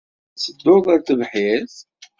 Ad tedduḍ ar tebḥirt?